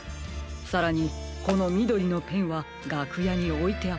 さらにこのみどりのペンはがくやにおいてあったもの。